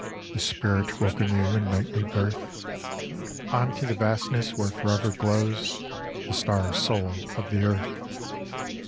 The spirit woke anew in nightly birth Unto the vastness where forever glows The star soul of the earth.